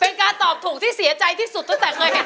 เพลงนี้อยู่ในอาราบัมชุดแรกของคุณแจ็คเลยนะครับ